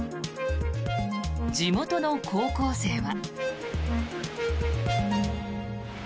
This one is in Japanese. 地元の高校生は。